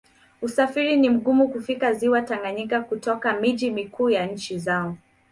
Usafiri ni mgumu kufikia Ziwa Tanganyika kutoka miji mikuu ya nchi zao.